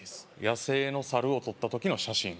野生のサルを撮った時の写真？